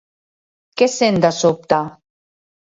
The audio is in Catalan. Què sent de sobte?